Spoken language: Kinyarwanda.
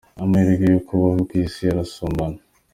Amahirwe yo kubaho ku isi arasumbana